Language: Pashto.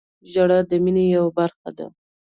• ژړا د مینې یوه برخه ده.